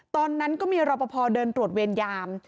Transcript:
ตอนนั้นก็มีรอบพอล์เดินตรวจเวียนยาม